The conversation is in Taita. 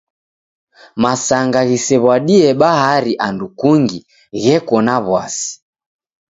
Masanga ghisew'adie bahari andu kungi gheko na w'asi.